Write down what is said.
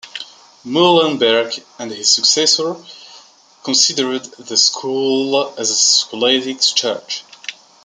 Muhlenberg and his successors considered the school as the scholastic church.